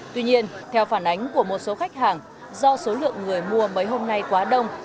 tuy nhiên theo phản ánh của một số khách hàng do số lượng người mua mấy hôm nay quá đông